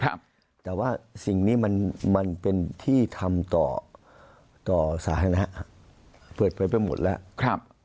แต่ว่าสิ่งนี้มันเป็นที่ทำต่อสาธารณะเปิดไปไปหมดแล้ว